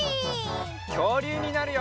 きょうりゅうになるよ！